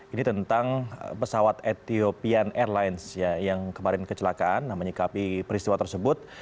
ini tentang pesawat ethiopian airlines yang kemarin kecelakaan menyikapi peristiwa tersebut